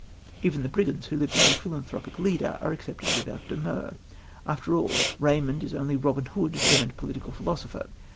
Even the brigands who live with their philanthropic leader are accepted without demur. After all, Raymond is only Robin Hood turned political philosopher.